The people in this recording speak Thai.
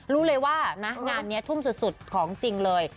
รู้เลยว่านะงานนี้ทุ่มสุดของจริงเลย